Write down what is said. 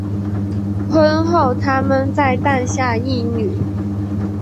婚后他们再诞下一女。